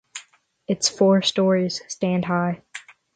Its four storeys stand high.